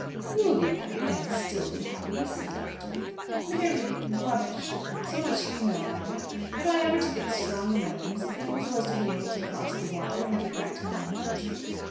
"You will be married, and still be happy," said the doctor. "Married! Rubbish! So much you know about it. Am I ever to get strong in my limbs again, so as to be able to cross the water and go back to my own country?"